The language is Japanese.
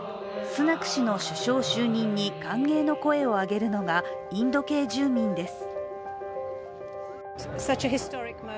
スナク氏の首相就任に歓迎の声を上げるのがインド系住民です。